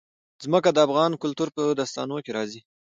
ځمکه د افغان کلتور په داستانونو کې راځي.